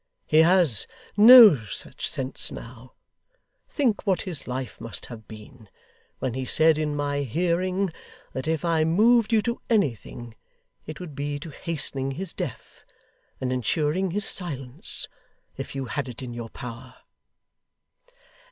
He has no such sense now. Think what his life must have been, when he said in my hearing, that if I moved you to anything, it would be to hastening his death, and ensuring his silence, if you had it in your power!